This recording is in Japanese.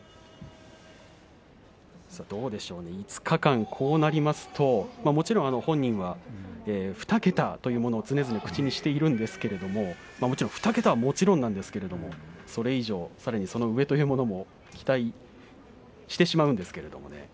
どうでしょうね５日間、こうなりますともちろん本人は２桁というものを常々口にしているんですけれどももちろん２桁はもちろんなんですけどそれ以上、さらにその上というものも期待してしまうんですけれどもね。